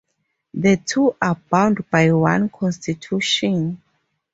The two are bound by one constitution.